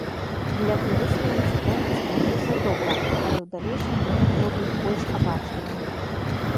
Для турыста інцыдэнт скончыўся добра, але ў далейшым ён ужо быў больш абачлівым.